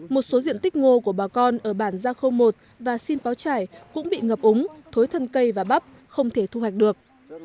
một số diện tích ngô của bà con ở bản gia khâu một và xin báo trải cũng bị ngập úng thối thân cây và bắp không thể thu hoạch được